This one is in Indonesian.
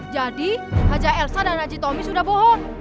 jadi haja elsa dan haji tommy sudah bohon